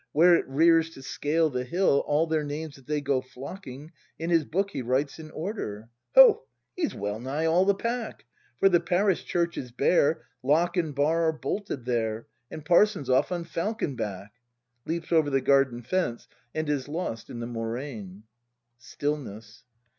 Where it rears to scale the hill. All their names as they go flocking In his book he writes in order; — Ho! he's wellnigh all the pack; For the parish church is bare, Lock and bar are bolted there, — And parson's off on falcon back! [Leaps over the garden fence and is lost in the moraine. Stillness.